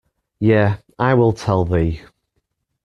Yea, I will tell thee.